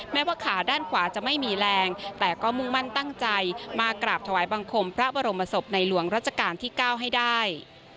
ว่าขาด้านขวาจะไม่มีแรงแต่ก็มุ่งมั่นตั้งใจมากราบถวายบังคมพระบรมศพในหลวงรัชกาลที่๙ให้ได้